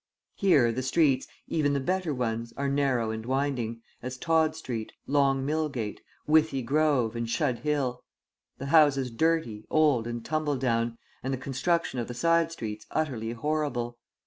Here the streets, even the better ones, are narrow and winding, as Todd Street, Long Millgate, Withy Grove, and Shude Hill, the houses dirty, old, and tumble down, and the construction of the side streets utterly horrible.